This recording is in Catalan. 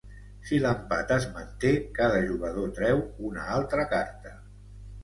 Si l'empat es manté, cada jugador treu una altra carta.